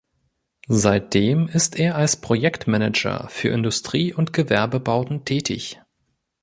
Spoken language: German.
Seitdem ist er als Projektmanager für Industrie- und Gewerbebauten tätig.